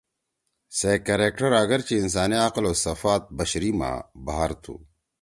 سے کریکٹر آگرچہ عقل انسانی او صفات بشری ما بھار تھی۔